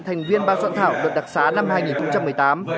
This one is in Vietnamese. thành viên ba soạn thảo luật đặc sán năm hai nghìn một mươi tám